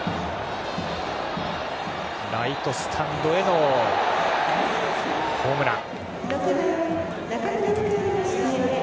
ライトスタンドへのホームラン。